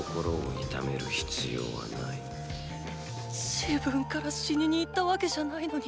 自分から死ににいったわけじゃないのに。